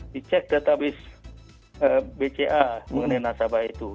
di cek database bca mengenai nasabah itu